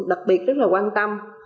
đặc biệt rất quan tâm